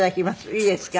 いいですか？